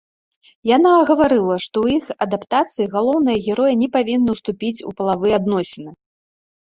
Яна агаварыла, што ў іх адаптацыі галоўныя героі не павінны ўступіць у палавыя адносіны.